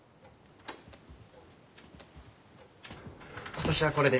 私はこれで。